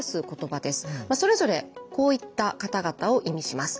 それぞれこういった方々を意味します。